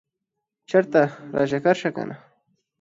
چرته راچکر شه کنه